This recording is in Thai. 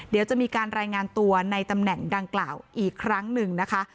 เดี๋ยวจะมีการรายงานตัวในตำแหน่งดังกล่าวอีกครั้งหนึ่งนะคะ